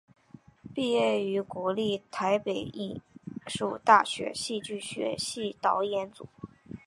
毕业于国立台北艺术大学戏剧学系导演组。